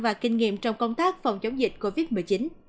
và kinh nghiệm trong công tác phòng chống dịch covid một mươi chín